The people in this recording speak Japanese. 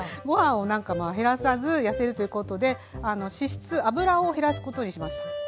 ご飯を減らさずやせるということで脂質油を減らすことにしました。